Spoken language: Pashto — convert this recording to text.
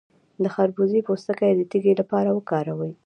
د خربوزې پوستکی د تیږې لپاره وکاروئ